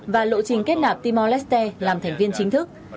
và lộ trình kết nạp timor leste làm thành viên chính thức